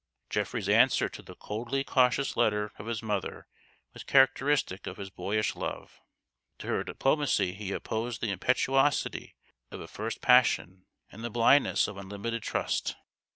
Geoffrey's answer to the coldly cautious letter of his mother was characteristic of his boyish love. To her diplomacy he opposed the impetuosity of a first passion and the blindness of unlimited trust.